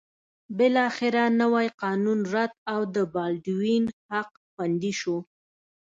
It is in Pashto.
بالاخره نوی قانون رد او د بالډوین حق خوندي شو.